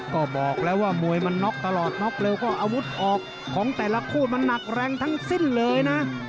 ก็บอกแล้วว่ามวยมันน็อกตลอดน็อกเร็วก็อาวุธออกของแต่ละคู่มันหนักแรงทั้งสิ้นเลยนะ